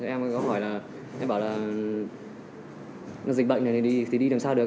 em ấy có hỏi là em bảo là dịch bệnh này thì đi làm sao được